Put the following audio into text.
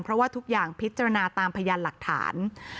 เพราะว่าทุกอย่างพิจารณาตามพยานหลักฐาน